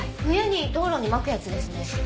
冬に道路にまくやつですね。